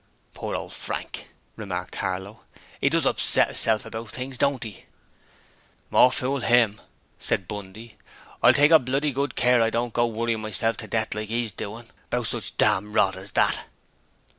'Poor ole Frank,' remarked Harlow. ''E does upset 'isself about things, don't 'e?' 'More fool 'im!' said Bundy. 'I'll take bloody good care I don't go worryin' myself to death like 'e's doin', about such dam rot as that.'